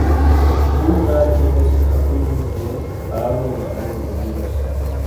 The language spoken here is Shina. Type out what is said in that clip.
دو راتیئے بیسے خپلو نی تھے آدو گا اجوٹے گیئس۔